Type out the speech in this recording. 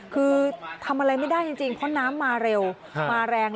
คือทำอะไรไม่ได้จริงเพราะน้ำมาเร็วมาแรง